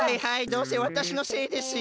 どうせわたしのせいですよ。